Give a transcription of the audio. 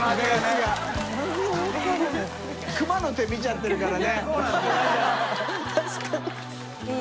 熊の手見ちゃってるからね俺ら。